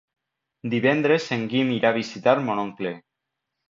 Divendres en Guim irà a visitar mon oncle.